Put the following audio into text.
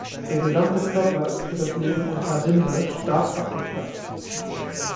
Der gesamte Körper ist für das Leben unter Rinde stark abgeflacht.